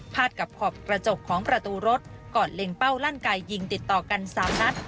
กับขอบกระจกของประตูรถก่อนเล็งเป้าลั่นไก่ยิงติดต่อกัน๓นัด